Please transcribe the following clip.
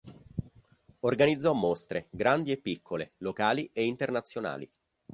Organizzò mostre, grandi e piccole, locali e internazionali.